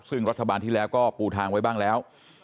ซึ่งรัฐบาลที่แล้วก็ปูทางไว้บ้างแล้ว